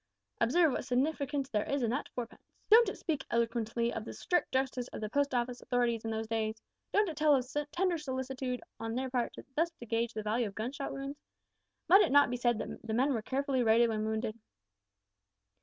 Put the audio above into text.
Observe what significance there is in that fourpence! Don't it speak eloquently of the strict justice of the Post Office authorities of those days? Don't it tell of tender solicitude on their part thus to gauge the value of gunshot wounds? Might it not be said that the men were carefully rated when wounded?